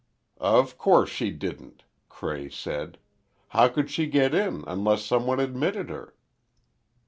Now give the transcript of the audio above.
"Of course she didn't," Cray said. "How could she get in, unless someone admitted her."